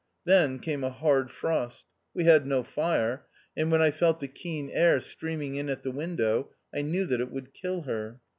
Then came a hard frost. We had no fire, and when I felt the keen air streaming; in at the window, I knew that it would kill her.